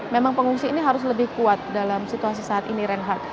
memang pengungsi ini harus lebih kuat dalam situasi saat ini reinhardt